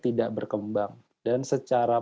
tidak berkembang dan secara